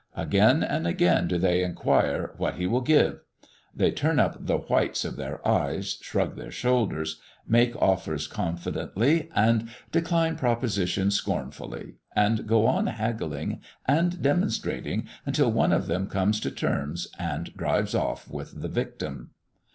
Again, and again, do they inquire, "what he will give?" They turn up the whites of their eyes, shrug their shoulders, make offers confidently, and decline propositions scornfully, and go on haggling and demonstrating until one of them comes to terms, and drives off with the victim.